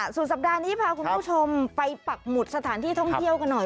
สุดสัปดาห์นี้พาคุณผู้ชมไปปักหมุดสถานที่ท่องเที่ยวกันหน่อย